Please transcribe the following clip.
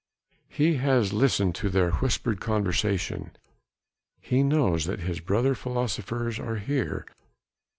He has listened to the whispered conversation he knows that his brother philosophers are here.